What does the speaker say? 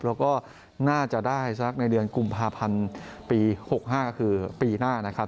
แล้วก็น่าจะได้สักในเดือนกุมภาพันธ์ปี๖๕ก็คือปีหน้านะครับ